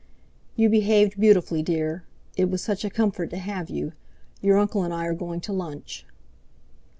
"You behaved beautifully, dear. It was such a comfort to have you. Your uncle and I are going to lunch."